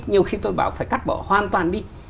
nhiều khi tôi bảo phải cắt bỏ hoàn toàn đi